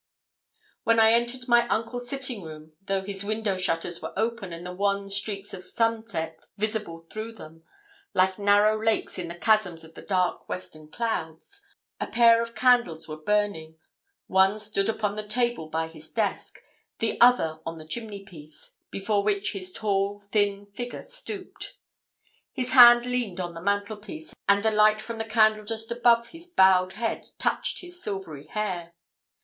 When I entered my uncle's sitting room though his window shutters were open and the wan streaks of sunset visible through them, like narrow lakes in the chasms of the dark western clouds a pair of candles were burning; one stood upon the table by his desk, the other on the chimneypiece, before which his tall, thin figure stooped. His hand leaned on the mantelpiece, and the light from the candle just above his bowed head touched his silvery hair.